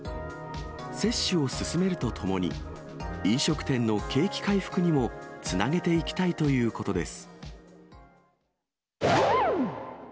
接種を進めるとともに、飲食店の景気回復にもつなげていきたいということです。